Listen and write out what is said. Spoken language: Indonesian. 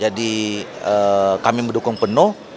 jadi kami mendukung penuh